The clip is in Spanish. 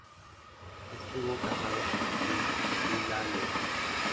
Estuvo casado con la actriz Lila Leslie.